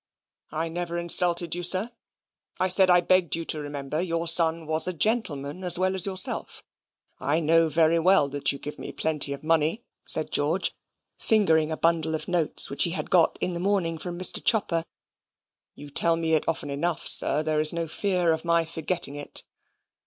"I never insulted you, sir. I said I begged you to remember your son was a gentleman as well as yourself. I know very well that you give me plenty of money," said George (fingering a bundle of notes which he had got in the morning from Mr. Chopper). "You tell it me often enough, sir. There's no fear of my forgetting it."